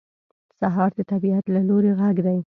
سهار د طبیعت له لوري غږ دی.